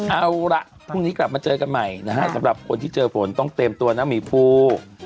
เอาล่ะพรุ่งนี้กลับมาเจอกันใหม่นะฮะสำหรับคนที่เจอฝนต้องเตรียมตัวนะหมีภู